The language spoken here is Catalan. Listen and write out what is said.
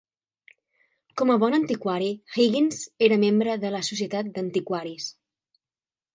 Com a bon antiquari, Higgins, era membre de la Societat d'Antiquaris.